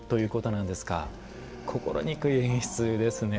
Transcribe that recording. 心憎い演出ですね。